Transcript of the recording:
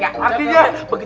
cakap cukur kalau begitu